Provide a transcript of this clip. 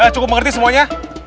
cukup mengerti semuanya